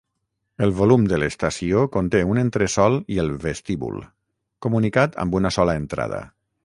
El volum de l'estació conté un entresol i el vestíbul, comunicat amb una sola entrada.